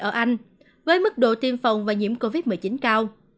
ở anh với mức độ tiêm phòng và nhiễm covid một mươi chín cao